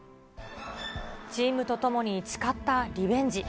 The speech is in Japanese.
チームと共に誓ったリベンジ。